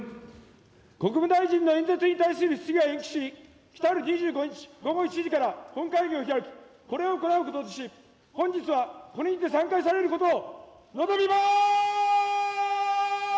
国務大臣の演説に対する質疑は延期し、来る２５日午後１時から本会議を開き、これを行うこととし、本日はこれにて散会されることを望みます。